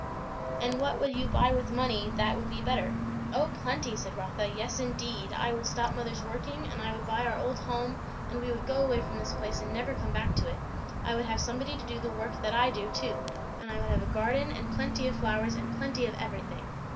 "And what would you buy with money, that would be better?" "O plenty!" said Rotha. "Yes, indeed! I would stop mother's working; and I would buy our old home, and we would go away from this place and never come back to it. I would have somebody to do the work that I do, too; and I would have a garden, and plenty of flowers, and plenty of everything."